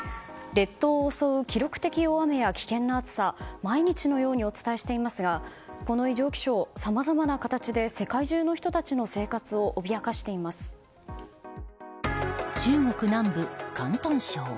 列島を襲う記録的な大雨や危険な暑さ毎日のようにお伝えしていますがこの異常気象さまざまな形で世界中の人たちの生活を中国南部、広東省。